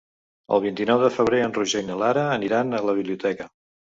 El vint-i-nou de febrer en Roger i na Lara aniran a la biblioteca.